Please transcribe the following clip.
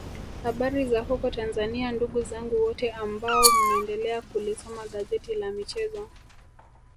Habari za huko Tanzania ndugu zangu wote ambao mnaendelea kulisoma gazeti la michezo